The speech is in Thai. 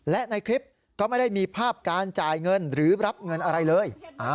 และในคลิปก็ไม่ได้มีภาพการจ่ายเงินหรือรับเงินอะไรเลย